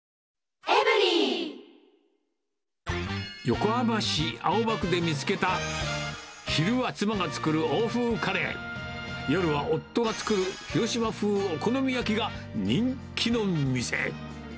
横浜市青葉区で見つけた、昼は妻が作る欧風カレー、夜は夫が作る広島風お好み焼きが人気の店。